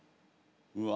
うわ。